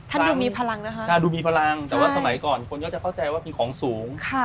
ดูมีพลังนะคะดูมีพลังแต่ว่าสมัยก่อนคนก็จะเข้าใจว่ามีของสูง